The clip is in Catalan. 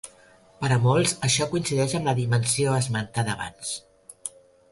Per a molts, això coincideix amb la dimensió esmentada abans.